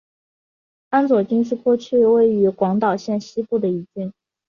安佐郡是过去位于广岛县西部的一郡。